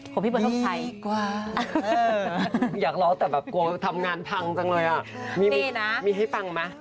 พี่เบิร์ดทชัยอยากร้องแต่แบบกลัวทำงานพังจังเลยอ่ะมีให้ฟังไหม